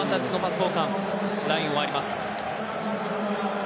ラインを割ります。